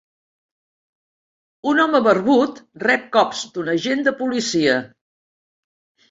Un home barbut rep cops d'un agent de policia.